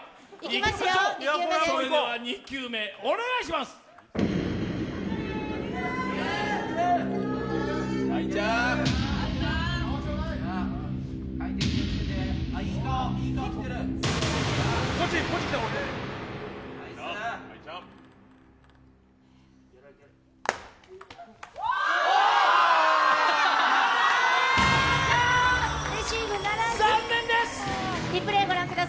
それでは２球目お願いします残念です！